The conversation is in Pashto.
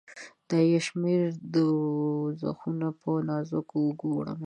دا بې شمیره دوږخونه په نازکو اوږو، وړمه